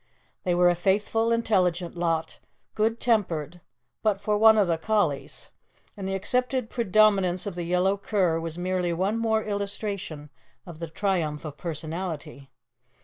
They were a faithful, intelligent lot, good tempered, but for one of the collies, and the accepted predominance of the yellow cur was merely one more illustration of the triumph of personality.